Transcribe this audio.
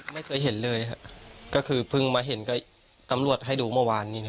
ไม่เคยเห็นเลยครับก็คือเพิ่งมาเห็นกับตำรวจให้ดูเมื่อวานนี้